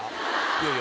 いやいや。